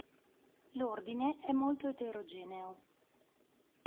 L'ordine è molto eterogeneo.